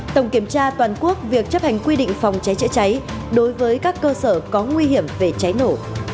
tổng kiểm tra toàn quốc việc chấp hành quy định phòng cháy chữa cháy đối với các cơ sở có nguy hiểm về cháy nổ